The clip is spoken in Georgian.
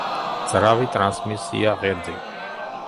ძრავი, ტრანსმისია, ღერძი.